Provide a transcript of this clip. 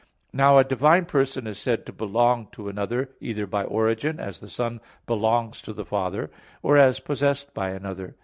Now a divine person is said to belong to another, either by origin, as the Son belongs to the Father; or as possessed by another.